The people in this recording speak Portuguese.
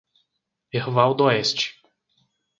Herval d'Oeste